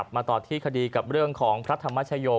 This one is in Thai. มาต่อที่คดีกับเรื่องของพระธรรมชโย